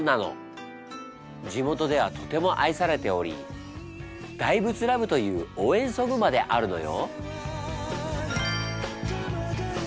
地元ではとても愛されており「ＤＩＶＥＴＯＬＯＶＥ」という応援ソングまであるのよ。